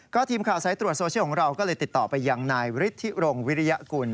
ทีมข่าวสายตรวจโซเชียลของเราก็เลยติดต่อไปยังนายฤทธิรงวิริยกุล